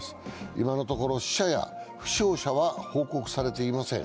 今のところ死者や負傷者は報告されていません。